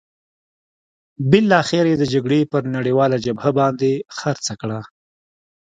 بالاخره یې د جګړې پر نړیواله جبهه باندې خرڅه کړه.